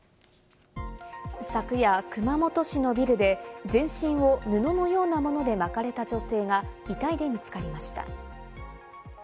昨夜、熊本市のビルで全身を布のようなもので巻かれた女性が遺体で見つかりました。